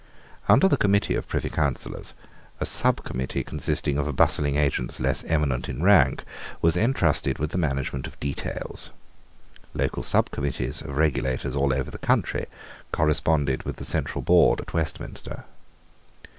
Under the committee of Privy Councillors a subcommittee consisting of bustling agents less eminent in rank was entrusted with the management of details. Local subcommittees of regulators all over the country corresponded with the central board at Westminster.